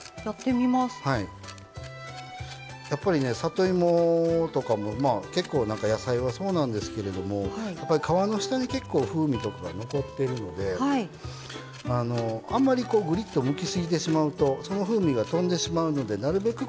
やっぱりね里芋とかも結構野菜はそうなんですけれどもやっぱり皮の下に結構風味とかが残っているのであんまりこうぐりっとむきすぎてしまうとその風味が飛んでしまうのでなるべく